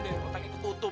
dari kotaknya tutup